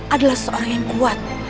adalah seorang yang kuat